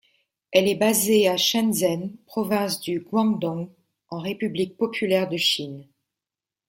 Elle est basée à Shenzhen, province du Guangdong, en République populaire de Chine.